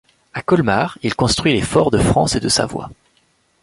À Colmars, il construit les forts de France et de Savoie.